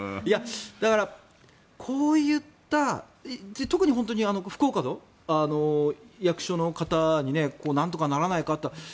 だから、こういった特に福岡の役所の方になんとかならないかって。